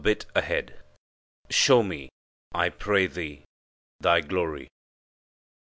Study Notes "Show me, I pray thee, Thy glory."